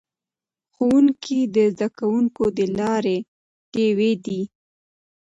ښوونکي د زده کوونکو د لارې ډیوې دي.